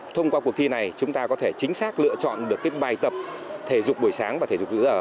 thông qua cuộc thi này chúng ta có thể chính xác lựa chọn được bài tập thể dục buổi sáng và thể dục giữa giờ